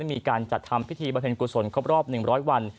มีการจัดทำพิธีบำเพ็ญกุศลครบรอบ๑๐๐วัน